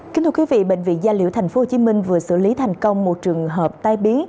kính thưa quý vị bệnh viện gia liễu tp hcm vừa xử lý thành công một trường hợp tai biến